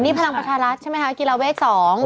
นี่พลังปรัชรัฐใช่ไหมคะกิลาเวส๒